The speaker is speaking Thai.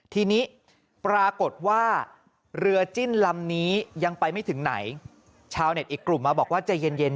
ทีนี้ปรากฏว่าเรือจิ้นลำนี้ยังไปไม่ถึงไหนชาวเน็ตอีกกลุ่มมาบอกว่าใจเย็นเย็น